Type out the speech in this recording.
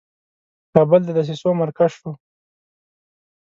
کابل د دسیسو مرکز شو.